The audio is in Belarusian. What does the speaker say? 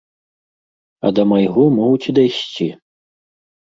А да майго могуць і дайсці.